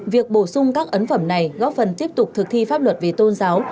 việc bổ sung các ấn phẩm này góp phần tiếp tục thực thi pháp luật về tôn giáo